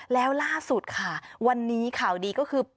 แล้วล่าสุดค่ะวันนี้ข่าวดีก็คือ